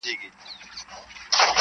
د طبیب پر پور به څنګه منکرېږم -